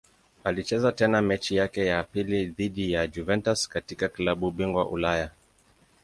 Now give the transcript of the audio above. Alicheza tena mechi yake ya pili dhidi ya Juventus katika klabu bingwa Ulaya.